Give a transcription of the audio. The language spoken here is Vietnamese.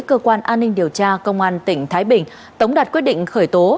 cơ quan an ninh điều tra công an tỉnh thái bình tống đạt quyết định khởi tố